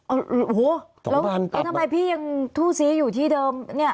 โอ้โหแล้วทำไมพี่ยังทู่ซี้อยู่ที่เดิมเนี่ย